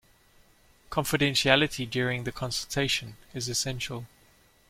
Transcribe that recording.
Confidentiality during the consultation is essential